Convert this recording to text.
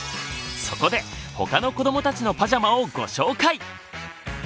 そこで他の子どもたちのパジャマをご紹介！